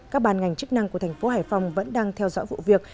các bàn ngành chức năng của thành phố hải phòng vẫn đang theo dõi vụ việc